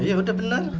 ya udah bener